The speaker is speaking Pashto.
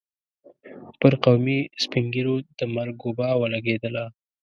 پر قومي سپين ږيرو د مرګ وبا ولګېدله.